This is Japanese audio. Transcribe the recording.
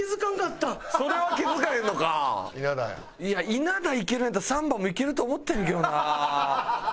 稲田いけるんやったらサンバもいけると思ったんやけどな。